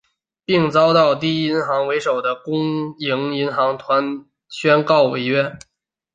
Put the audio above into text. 并遭到第一银行为首的公营银行团宣告违约。